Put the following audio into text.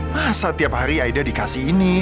masa tiap hari aida dikasih ini